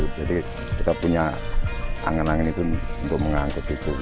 jadi kita punya angan angan untuk mengangkut itu